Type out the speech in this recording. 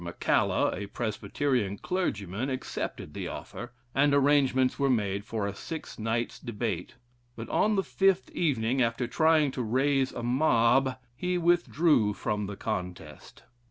McCalla, a Presbyterian clergyman, accepted the offer, and arrangements were made for a six nights debate; but, on the fifth evening, after trying to raise a mob, he withdrew from the contest.